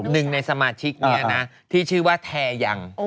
หนึ่งในสมาชิกนี้นะที่ชื่อว่าแทยัง